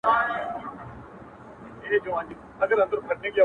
• په دې چرت کي وو چي دا به څه بلا وي ,